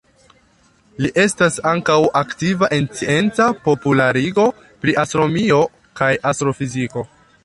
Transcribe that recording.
Li estas ankaŭ aktiva en scienca popularigo pri astronomio kaj astrofiziko.